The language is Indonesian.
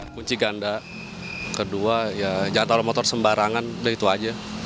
kunci ganda kedua jangan tahu motor sembarangan itu saja